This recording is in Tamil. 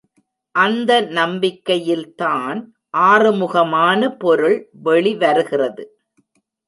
அந்த நம்பிக்கையில்தான் ஆறுமுகமான பொருள் வெளி வருகிறது.